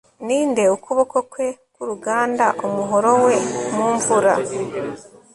Ninde ukuboko kwe kuruganda umuhoro we mumvura